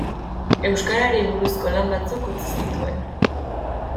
Euskarari buruzko lan batzuk utzi zituen.